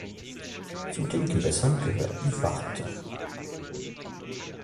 Zu den Gewässern gehört die Warthe.